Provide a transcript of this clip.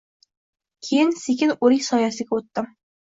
Keyin sekin o‘rik soyasiga o‘tdim.